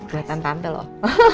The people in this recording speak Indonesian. buat tante loh